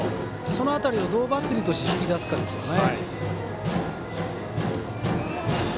その辺りをどうバッテリーとして引き出すかですね。